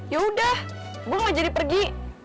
yaudah gue gak jadi pergi